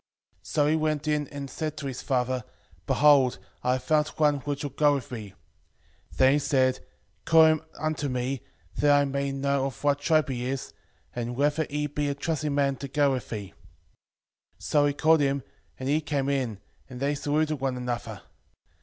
So he went in and said to his father, Behold, I have found one which will go with me. Then he said, Call him unto me, that I may know of what tribe he is, and whether he be a trusty man to go with thee. 5:9 So he called him, and he came in, and they saluted one another.